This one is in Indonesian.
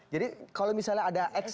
jadi kalau misalnya ada ekses